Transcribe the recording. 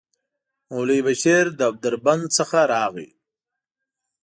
مولوي بشير له دربند څخه راغی.